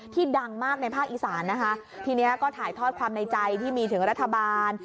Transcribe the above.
ดังมากในภาคอีสานนะคะทีนี้ก็ถ่ายทอดความในใจที่มีถึงรัฐบาล